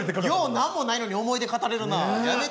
よう何もないのに思い出語れるなあ。